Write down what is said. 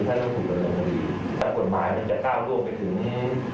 ไม่มีอพรมการอะไรก็ตามก็จะมีความชีวิตป่วย